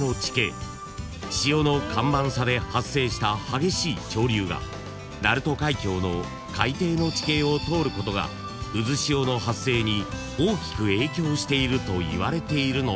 ［潮の干満差で発生した激しい潮流が鳴門海峡の海底の地形を通ることが渦潮の発生に大きく影響しているといわれているのですが］